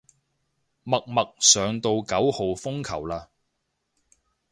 默默上到九號風球嘞